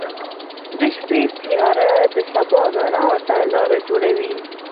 • د شپې تیاره د سبا رڼا ته لاره جوړوي.